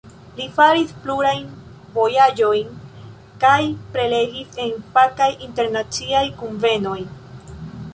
Li faris plurajn vojaĝojn kaj prelegis en fakaj internaciaj kunvenoj.